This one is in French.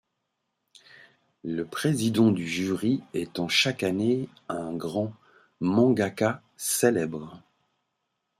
Le président du jury étant chaque année un grand mangaka célèbre.